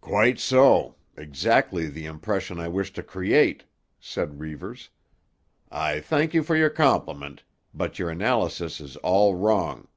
"Quite so. Exactly the impression I wished to create," said Reivers. "I thank you for your compliment, but your analysis is all wrong.